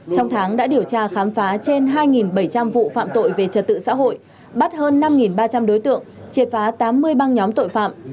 trong tháng đã điều tra khám phá trên hai bảy trăm linh vụ phạm tội về trật tự xã hội bắt hơn năm ba trăm linh đối tượng triệt phá tám mươi băng nhóm tội phạm